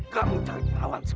kalau tahu tuhan esak